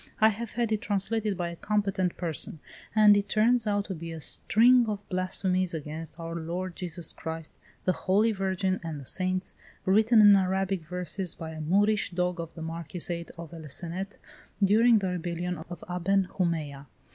I have had it translated by a competent person, and it turns out to be a string of blasphemies against our Lord Jesus Christ, the Holy Virgin, and the Saints, written in Arabic verses, by a Moorish dog of the Marquisate of El Cenet, during the rebellion of Aben Humeya.